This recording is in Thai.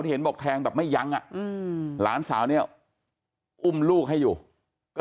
เห็นบอกแทงแบบไม่ยั้งอ่ะหลานสาวเนี่ยอุ้มลูกให้อยู่ก็